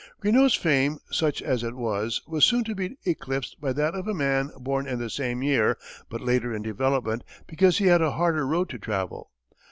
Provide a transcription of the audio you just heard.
Greenough's fame, such as it was, was soon to be eclipsed by that of a man born in the same year, but later in development because he had a harder road to travel.